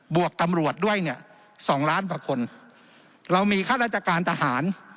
วกตำรวจด้วยเนี่ยสองล้านกว่าคนเรามีข้าราชการทหาร